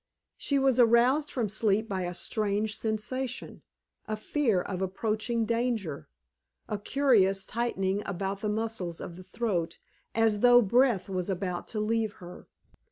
She was aroused from sleep by a strange sensation a fear of approaching danger a curious tightening about the muscles of the throat, as though breath was about to leave her.